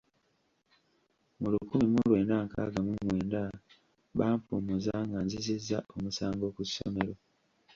Mu lukumi mu lwenda nkaaga mu mwenda bampummuza nga nzizizza omusango ku ssomero.